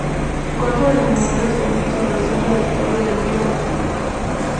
Cuatro de las novelas cuentan su versión de la historia de Elvira Madigan.